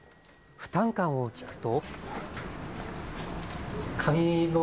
負担感を聞くと。